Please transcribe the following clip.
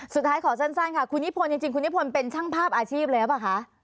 สุดท้ายขอสั้นค่ะคุณญี่ปนจริงคุณญี่ปนเป็นช่างภาพอาชีพเลยหรือเปล่าคะ